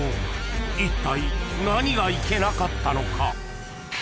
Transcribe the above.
［いったい何がいけなかったのか？］